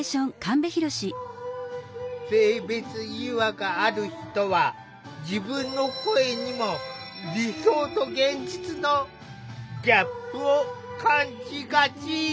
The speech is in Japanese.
性別違和がある人は自分の声にも理想と現実のギャップを感じがち。